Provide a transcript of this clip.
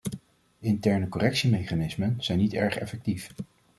Interne correctiemechanismen zijn niet erg effectief.